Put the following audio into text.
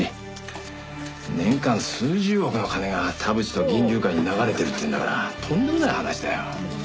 年間数十億の金が田淵と銀龍会に流れてるっていうんだからとんでもない話だよ。